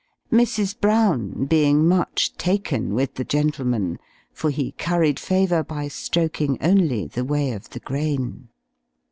Mrs. Brown being much taken with the gentleman for he curried favour by stroking only the way of the grain.